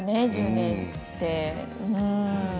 １０年って。